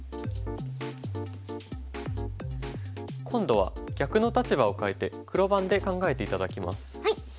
今度は逆の立場を変えて黒番で考えて頂きます。